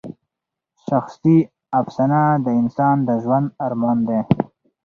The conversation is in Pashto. شخصي افسانه د انسان د ژوند ارمان دی.